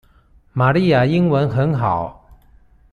瑪麗亞英文很好